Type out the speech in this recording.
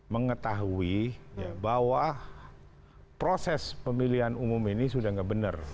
mengetahui bahwa proses pemilihan umum ini sudah tidak benar